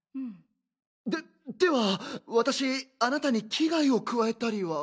ででは私あなたに危害を加えたりは？